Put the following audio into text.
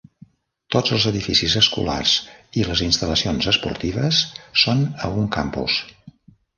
Tots els edificis escolars i les instal·lacions esportives són a un campus.